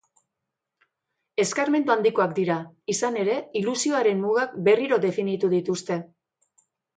Eskarmentu handikoak dira, izan ere, ilusioaren mugak berriro definitu dituzte.